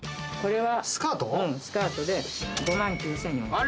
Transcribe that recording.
スカートで５万９，４００円。